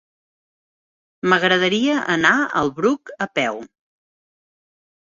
M'agradaria anar al Bruc a peu.